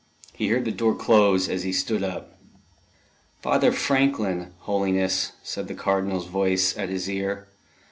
He heard the door close as he stood up. "Father Franklin, Holiness," said the Cardinal's voice at his ear.